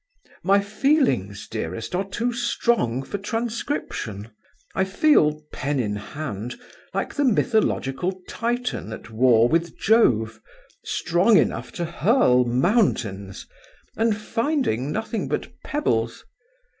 "My feelings, dearest, are too strong for transcription. I feel, pen in hand, like the mythological Titan at war with Jove, strong enough to hurl mountains, and finding nothing but pebbles.